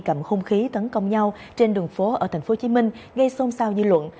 cầm hung khí tấn công nhau trên đường phố ở tp hcm gây xôn xao dư luận